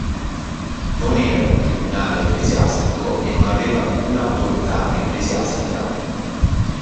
Non era un tribunale ecclesiastico e non aveva alcuna autorità ecclesiastica.